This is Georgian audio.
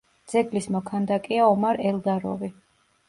ძეგლის მოქანდაკეა ომარ ელდაროვი.